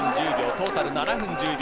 トータル７分１０秒。